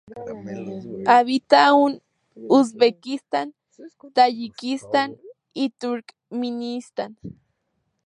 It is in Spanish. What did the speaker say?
Habita en Uzbekistán, Tayikistán y Turkmenistán.